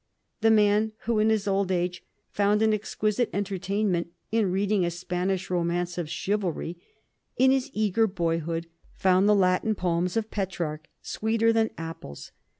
The man who in his old age found an exquisite entertainment in reading a Spanish romance of chivalry, in his eager boyhood found the Latin poems of Petrarch sweeter than apples.